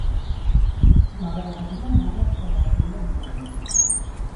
M'agradaria anar a la Serratella amb tren.